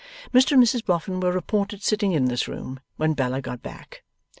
Mr and Mrs Boffin were reported sitting in this room, when Bella got back.